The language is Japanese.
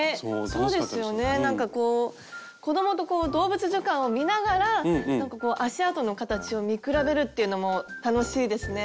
そうですよねなんかこう子供と動物図鑑を見ながらなんかこう足あとの形を見比べるっていうのも楽しいですね。